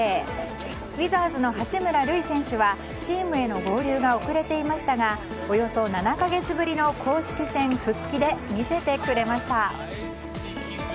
ウィザーズの八村塁選手はチームへの合流が遅れていましたがおよそ７か月ぶりの公式戦復帰で、見せてくれました。